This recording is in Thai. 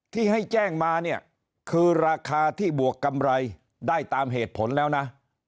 ที่ให้แจ้งมาเนี่ยคือราคาที่บวกกำไรได้ตามเหตุผลแล้วนะ